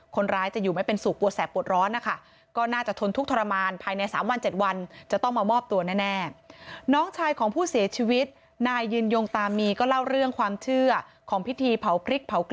คนร้ายจะอยู่ไม่เป็นสุขปวดแสบปวดร้อนนะคะ